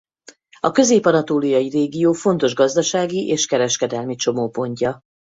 A Közép-anatóliai régió fontos gazdasági és kereskedelmi csomópontja.